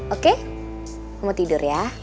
oke kamu tidur ya